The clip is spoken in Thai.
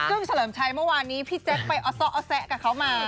พี่กึ้งเฉลิมชัยเมื่อวานนี้พี่แจ๊กไปอสสะกับเขามา